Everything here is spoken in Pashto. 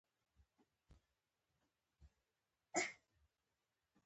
د هند حکومت ژمنه وکړه چې د افغانستان د داخلي ازادۍ درناوی به کوي.